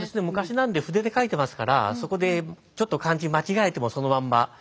昔なんで筆で書いていますからそこでちょっと漢字間違えてもそのまんま。